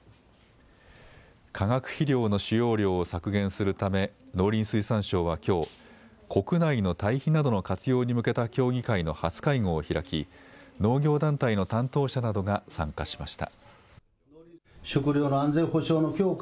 化学肥料の使用量を削減するため農林水産省はきょう、国内の堆肥などの活用に向けた協議会の初会合を開き農業団体の担当者などが参加しました。